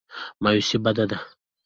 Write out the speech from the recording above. مایوسي بده ده.